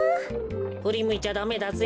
ふりむいちゃダメだぜ。